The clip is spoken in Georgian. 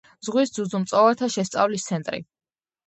ზღვის ძუძუმწოვართა შესწავლის ცენტრი.